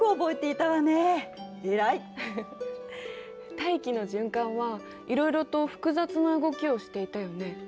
大気の循環はいろいろと複雑な動きをしていたよね。